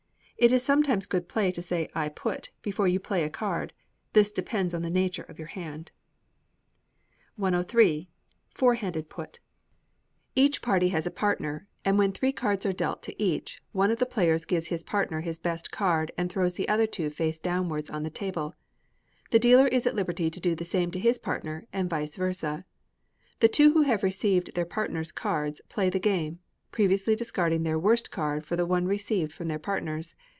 It is sometimes good play to say, "I put," before you play a card: this depends on the nature of your hand. 103. Four Handed Put. Each party has a partner, and when three cards are dealt to each, one of the players gives his partner his best card, and throws the other two face downwards on the table: the dealer is at liberty to do the same to his partner, and vice versa. The two who have received their partners' cards play the game, previously discarding their worst card for the one received from their partners.